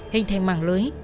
hình thành mạng lưới